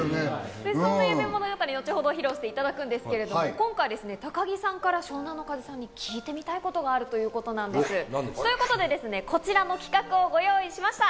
そんな『夢物語』、後ほど披露していただくんですけど、今回高木さんから湘南乃風さんに聞いてみたいことがあるということなんです。ということで、こちらの企画をご用意しました。